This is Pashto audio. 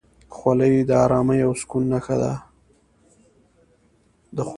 خولۍ د ارامۍ او سکون نښه ده.